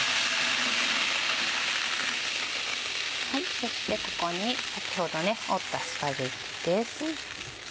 そしてここに先ほど折ったスパゲティです。